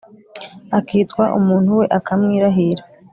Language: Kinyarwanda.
akitwa umuntu we, akamwirahira.